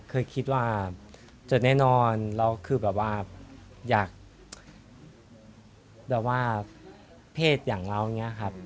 เคยคิดจดแน่นอนใช่คือแบบว่าเพศอย่างเราเนี่ยครับ